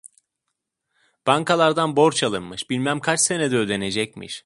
Bankalardan borç alınmış, bilmem kaç senede ödenecekmiş.